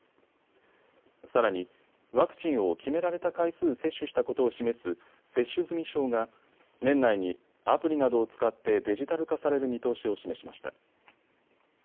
さらに、ワクチンを決められた回数接種したことを示す接種済証が年内にアプリなどを使ってデジタル化される見通しを示しました。